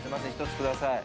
１つください